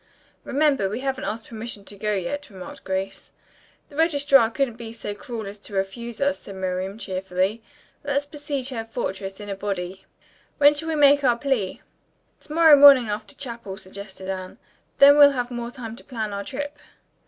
"Remember, we haven't asked permission to go, yet," remarked Grace. "The registrar couldn't be so cruel as to refuse us," said Miriam cheerfully. "Let's besiege her fortress in a body." "When shall we make our plea?" "To morrow morning after chapel," suggested Anne. "Then we'll have more time to plan our trip."